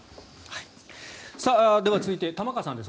では続いて玉川さんです。